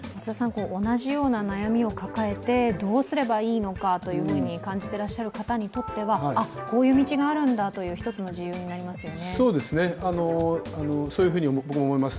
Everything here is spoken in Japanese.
同じような悩みを抱えてどうすればいいのかと感じてらっしゃる方にとってはこういう道があるんだというそういうふうに僕も思います。